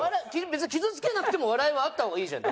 別に傷つけなくても笑いはあった方がいいじゃん。